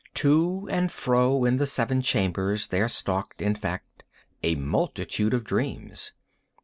To and fro in the seven chambers there stalked, in fact, a multitude of dreams.